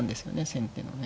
先手のね。